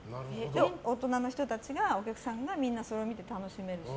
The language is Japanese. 大人の人たちが、お客さんがそれを楽しめるし。